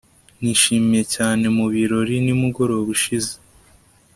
nishimiye cyane mu birori nimugoroba ushize